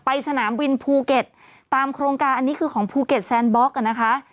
สนามบินภูเก็ตตามโครงการอันนี้คือของภูเก็ตแซนบล็อกอ่ะนะคะ